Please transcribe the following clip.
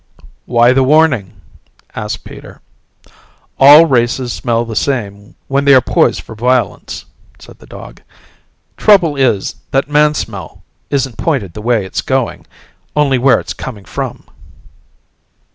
"Why the warning?" asked Peter. "All races smell the same when they are poised for violence," said the dog. "Trouble is that man smell isn't pointed the way it's going, only where it's coming from."